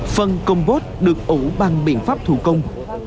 phần combo được ủ bằng biện pháp thủ công